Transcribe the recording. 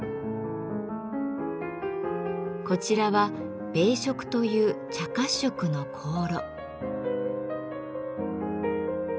こちらは「米色」という茶褐色の香炉。